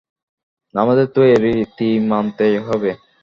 আমাদের তো এই রীতি মানতেই হবে।